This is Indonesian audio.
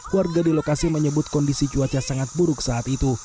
warga di lokasi menyebut kondisi cuaca sangat buruk saat itu